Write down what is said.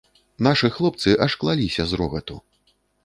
Нашы хлопцы аж клаліся з рогату.